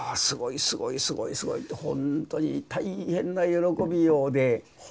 すごいすごいすごいすごいってほんとに大変な喜びようで。